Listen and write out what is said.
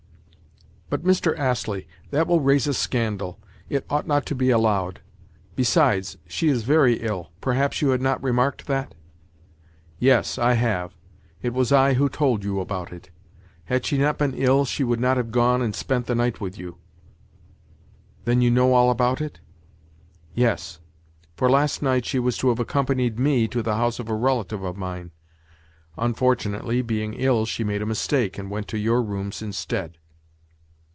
"But, Mr. Astley, that will raise a scandal. It ought not to be allowed. Besides, she is very ill. Perhaps you had not remarked that?" "Yes, I have. It was I who told you about it. Had she not been ill, she would not have gone and spent the night with you." "Then you know all about it?" "Yes; for last night she was to have accompanied me to the house of a relative of mine. Unfortunately, being ill, she made a mistake, and went to your rooms instead."